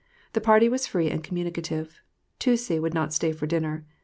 The party was free and communicative; Toucey would not stay for dinner.